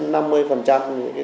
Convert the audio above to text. những đứa trẻ